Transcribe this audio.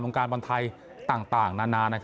การบอลไทยต่างนานา